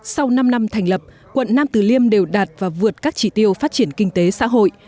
sau năm năm thành lập quận nam từ liêm đều đạt và vượt các chỉ tiêu phát triển kinh tế xã hội